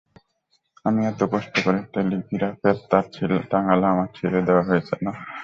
আমি এত কষ্ট করে টেলিগিরাপের তার টাঙালাম আর ছিড়ে দেওয়া হয়েছে না?